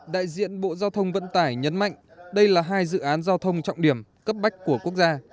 đại diện bộ giao thông vận tải nhấn mạnh đây là hai dự án giao thông trọng điểm cấp bách của quốc gia